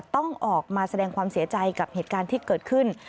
ต้องออกมาแสดงความเสียใจกับเหตุการณ์ที่เกิดขึ้น